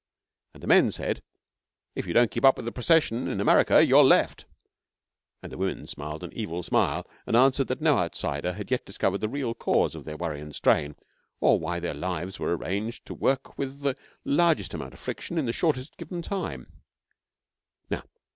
And the men said: 'If you don't keep up with the procession in America you are left'; and the women smiled an evil smile and answered that no outsider yet had discovered the real cause of their worry and strain, or why their lives were arranged to work with the largest amount of friction in the shortest given time.